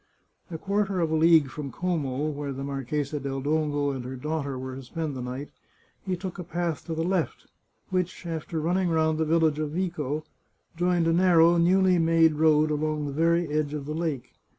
A quarter of a league from Como, where the Marchesa del Dongo and her daughter were to spend the night, he took a path to the left, which, after running round the village of Vico, joined a narrow newly made road along the very edge of the lake.